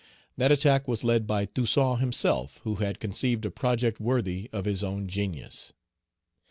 That attack was led by Toussaint himself, who had conceived a project worthy of his own genius.